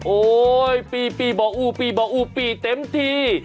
โอ๊ยปีบอกอู้ปีบอกอู้ปีเต็มที่